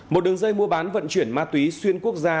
một đường dây mua bán vận chuyển ma túy xuyên quốc gia